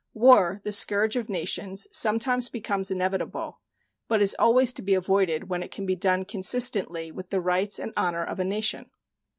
War, the scourge of nations, sometimes becomes inevitable, but is always to be avoided when it can be done consistently with the rights and honor of a nation.